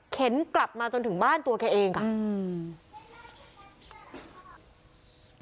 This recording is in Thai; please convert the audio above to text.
เข็นกลับมาจนถึงบ้านตัวแกเองค่ะ